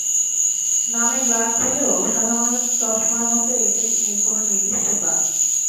নামে গ্লাস হলেও সাধারণ চশমার মতো এতে নেই কোনো নির্দিষ্ট গ্লাস।